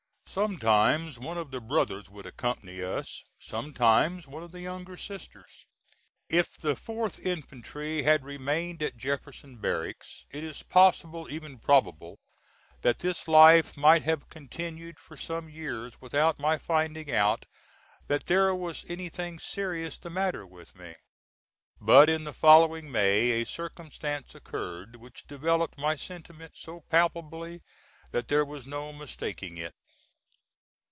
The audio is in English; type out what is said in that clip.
Sometimes one of the brothers would accompany us, sometimes one of the younger sisters. If the 4th infantry had remained at Jefferson Barracks it is possible, even probable, that this life might have continued for some years without my finding out that there was anything serious the matter with me; but in the following May a circumstance occurred which developed my sentiment so palpably that there was no mistaking it.